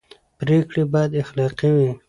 پرېکړې باید اخلاقي وي